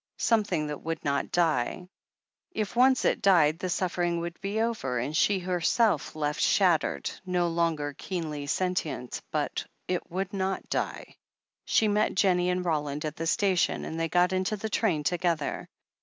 Something that would not die. If once it died the suffering would be over, and she herself left shattered, no longer keenly sentient. But it would not die. She met Jennie and Roland at the station, and they got into the train together.